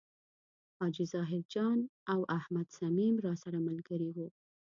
حاجي ظاهر جان او احمد صمیم راسره ملګري و.